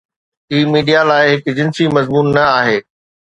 هي media لاء هڪ جنسي مضمون نه آهي.